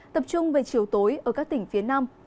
tập trung về chiều tối ở các tỉnh phía nam